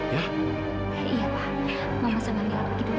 iya pa mama sama mila pergi dulu ya pa